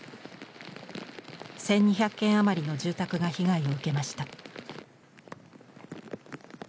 １，２００軒余りの住宅が被害を受けました。